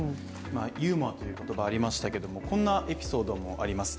ユーモアという言葉がありましたけれどもこんなエピソードもあります。